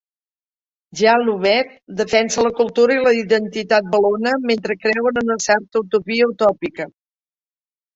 "Jean Louvet defensa la cultura i la identitat valona mentre creu en una certa utopia utòpica"